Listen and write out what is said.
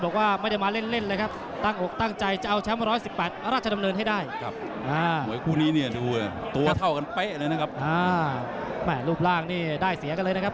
กันไปเลยนะครับอ่าแหม่รูปร่างนี่ได้เสียกันเลยนะครับ